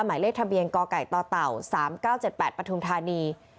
หมายเลขทะเบียงกไก่ต่อเต่าสามเก้าเจ็ดแปดปทุมธานี